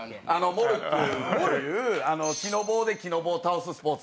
モルックっていう木の棒で木の棒を倒すスポーツ。